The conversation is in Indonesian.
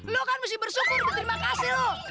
lu kan mesti bersyukur dan terima kasih lu